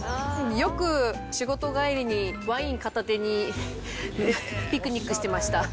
よく仕事帰りに、ワイン片手にピクニックしてました。